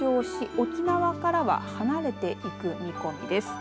沖縄からは離れていく見込みです。